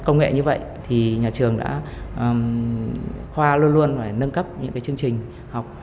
công nghệ như vậy thì nhà trường đã khoa luôn luôn nâng cấp những chương trình học